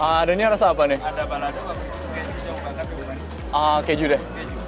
adanya rasa apa nih ada balado keju keju deh